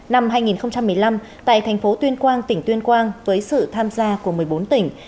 năm hai nghìn một mươi năm tại thành phố tuyên quang tỉnh tuyên quang với sự tham gia của một mươi bốn tỉnh